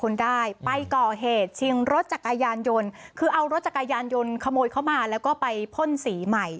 คนได้ไปก่อเหตุชิงรถจักรยานยนต์คือเอารถจักรยานยนต์ขโมยเขามาแล้วก็ไปพ่นสีใหม่